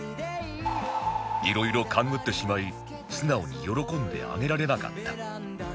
色々勘繰ってしまい素直に喜んであげられなかった